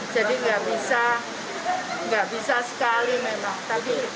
jadi nggak bisa nggak bisa sekali memang